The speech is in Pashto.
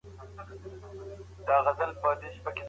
لویه جرګه کله د ګاونډیو هیوادونو د لاسوهنې پر وړاندي غبرګون ښيي؟